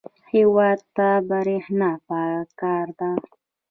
هېواد ته برېښنا پکار ده